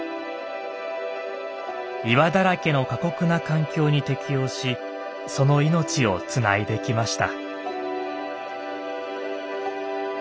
岩だらけの過酷な環境に適応しその命をつないできました。